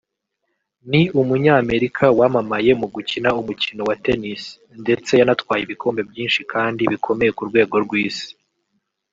Ni umunyamerika wamamaye mu gukina umukino wa Tennis ndetse yanatwaye ibikombe byinshi kandi bikomeye ku rwego rw’isi